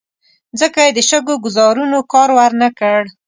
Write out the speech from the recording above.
ځکه یې د شګو ګوزارونو کار ور نه کړ.